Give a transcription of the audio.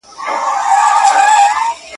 ږغ یې نه ځي تر اسمانه له دُعا څخه لار ورکه.